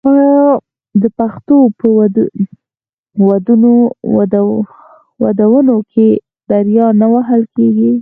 آیا د پښتنو په ودونو کې دریا نه وهل کیږي؟